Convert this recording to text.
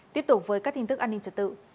tiếp tục với các tin tức an ninh trật tự